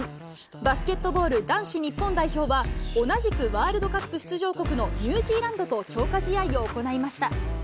バスケットボール男子日本代表は、同じくワールドカップ出場国のニュージーランドと強化試合を行いました。